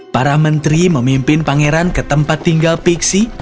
para menteri memimpin pangeran ke tempat tinggal pixie